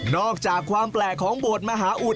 อกจากความแปลกของโบสถ์มหาอุทธ